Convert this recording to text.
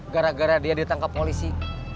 gara gara dia ditangkap polisi